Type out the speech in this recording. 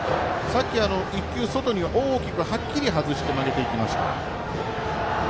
１球外に大きくはっきり外して曲げていきました。